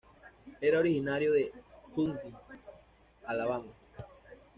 Era originario de Huntsville, Alabama.